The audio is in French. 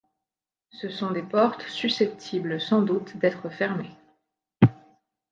Ce sont des portes susceptibles sans doute d'être fermées.